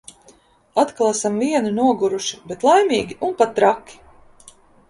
Atkal esam vieni, noguruši, bet laimīgi un pat traki!